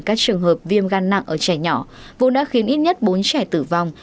các trường hợp viêm gan nặng ở trẻ nhỏ vốn đã khiến ít nhất bốn trẻ tử vong